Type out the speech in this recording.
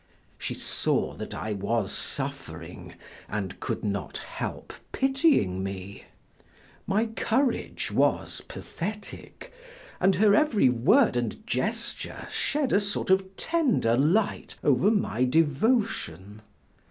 She saw that I was suffering and could not help pitying me. My courage was pathetic, and her every word and gesture shed a sort of tender light over my devotion.